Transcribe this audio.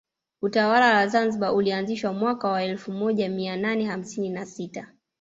Utawala wa Zanzibar ulianzishwa mwaka wa elfu moja mia nane hamsini na sita